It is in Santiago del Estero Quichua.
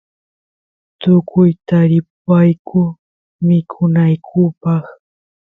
tukuy taripayku mikunaykupaq